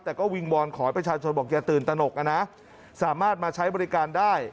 แต่ก็วิงวอนขอให้ประชาชนบอกอย่าตื่นตนกนะสามารถมาใช้บริการได้